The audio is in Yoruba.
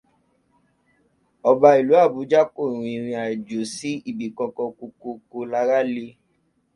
Ọba ìlú Àbújá kò rìn ìrìnàjò sí ìbi kánkan, ko ko ko lara le.